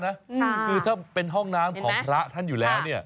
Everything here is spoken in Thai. คือถ้าเป็นห้องน้ำของพระท่านอยู่แล้วเนี่ย